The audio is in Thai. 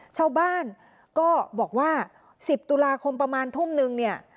ชาวบ้านก็บอกว่า๑๐ตุลาคมประมาณทุ่มนึงเนี่ย